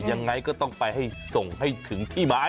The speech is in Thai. ยังไงก็ต้องไปให้ส่งให้ถึงที่หมาย